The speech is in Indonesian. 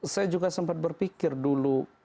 saya juga sempat berpikir dulu